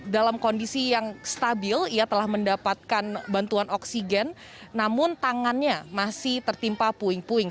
dalam kondisi yang stabil ia telah mendapatkan bantuan oksigen namun tangannya masih tertimpa puing puing